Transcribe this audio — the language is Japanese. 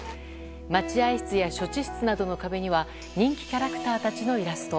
待合室や処置室などの壁には人気キャラクターたちのイラスト。